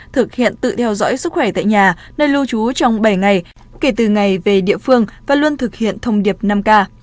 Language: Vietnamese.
thực hiện tự theo dõi sức khỏe tại nhà nơi lưu trú trong bảy ngày kể từ ngày về địa phương và luôn thực hiện thông điệp năm k